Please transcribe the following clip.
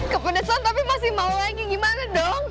kepedesan tapi masih mau lagi gimana dong